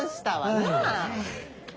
なあ。